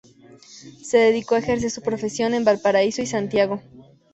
Se dedicó a ejercer su profesión en Valparaíso y Santiago.